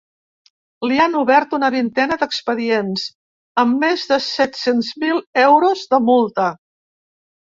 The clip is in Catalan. Li han obert una vintena d’expedients, amb més de set-cents mil euros de multa.